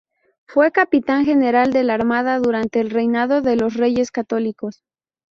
Fue capitán general de la Armada durante el reinado de los Reyes Católicos.